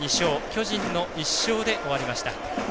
巨人の１勝で終わりました。